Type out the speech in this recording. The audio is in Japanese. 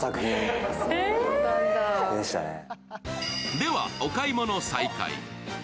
では、お買い物再開。